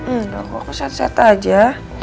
enggak aku set set aja